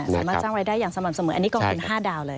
สามารถสร้างรายได้อย่างสม่ำเสมออันนี้กองทุน๕ดาวเลย